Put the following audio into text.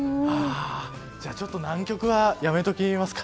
じゃあちょっと南極はやめときますか。